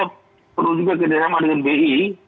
perlu juga kerjasama dengan bi